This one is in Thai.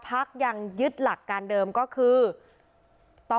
สมบัติการพลังมีชาติรักษ์ได้หรือเปล่า